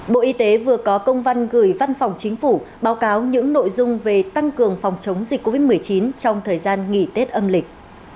bộ y tế vừa có công văn gửi văn phòng chính phủ báo cáo những nội dung về tăng cường phòng chống dịch covid một mươi chín trong thời gian nghỉ tết âm lịch